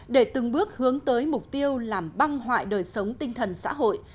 để từng bước hướng tới mục tiêu làm băng hoại đời sống tinh thần xã hội